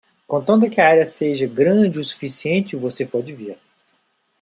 Contanto que a área seja grande o suficiente, você pode vir.